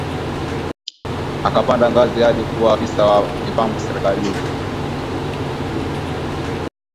Akapanda ngazi hadi kuwa afisa wa mipango serikalini